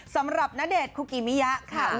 สำหรับณเดชน์คุกิมิยะค่ะ